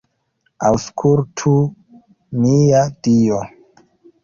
Aŭskultu, mia Dio.